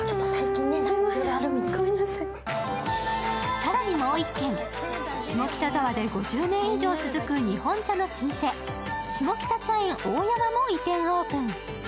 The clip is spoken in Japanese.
更にもう１軒下北沢で５０年以上続く日本茶の老舗・しもきた茶苑大山も移転オープン。